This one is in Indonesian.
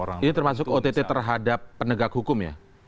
ini termasuk ott terhadap penegak hukum ya